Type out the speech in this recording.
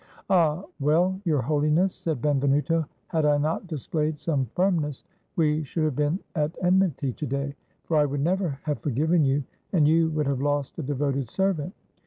"Ah, well, Your Holiness," said Benvenuto, "had I not displayed some firmness, we should have been at enmity to day; for I would never have forgiven you, and you would have lost a devoted servant.